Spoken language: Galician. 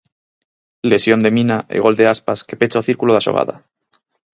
Lesión de Mina e gol de Aspas que pecha o círculo da xogada.